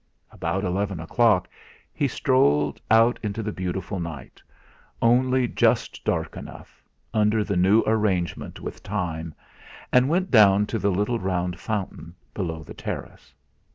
About eleven o'clock he strolled out beautiful night, only just dark enough under the new arrangement with Time and went down to the little round fountain below the terrace.